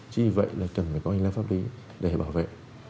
chính vì vậy là cần phải có hình lá pháp lý để bảo vệ